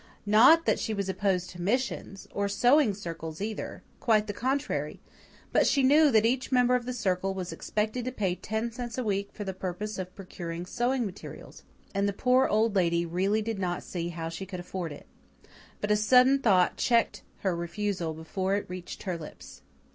Not that she was opposed to missions or sewing circles either quite the contrary, but she knew that each member of the Circle was expected to pay ten cents a week for the purpose of procuring sewing materials; and the poor Old Lady really did not see how she could afford it. But a sudden thought checked her refusal before it reached her lips.